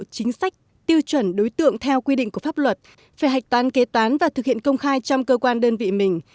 chính sách tiêu chuẩn đối tượng theo quy định của pháp luật phải hạch toán kế toán và thực hiện công khai trong cơ quan đơn vị mình